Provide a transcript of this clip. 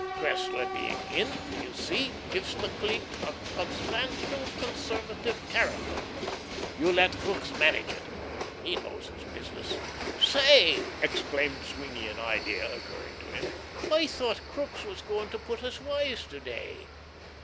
Cressler being in, do you see, gives the clique a substantial, conservative character. You let Crookes manage it. He knows his business." "Say," exclaimed Sweeny, an idea occurring to him, "I thought Crookes was going to put us wise to day.